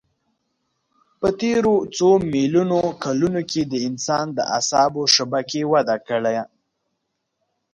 په تېرو څو میلیونو کلونو کې د انسان د اعصابو شبکې وده کړه.